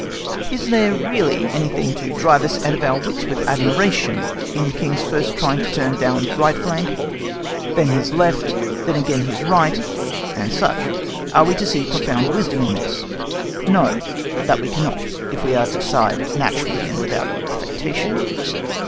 Is there really anything to drive us out of our wits with admiration in the King's first trying to turn Daun's right flank, then his left, then again his right, &c.? Are we to see profound wisdom in this? No, that we cannot, if we are to decide naturally and without affectation.